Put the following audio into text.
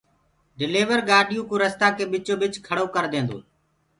ڊليور گآڏِيآ ڪو رستآ ڪي ٻچو ٻچ کيڙو ڪر ديندوئي